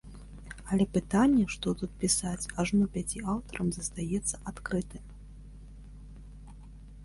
Але пытанне, што тут пісаць ажно пяці аўтарам, застаецца адкрытым.